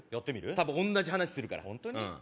多分同じ話するからホントに？